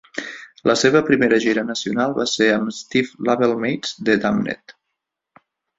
La seva primera gira nacional va ser amb Stiff labelmates the Damned.